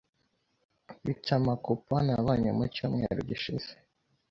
Mfite ama coupons nabonye mucyumweru gishize.